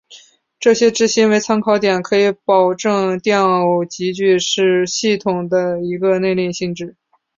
选择质心为参考点可以保证电偶极矩是系统的一个内禀性质。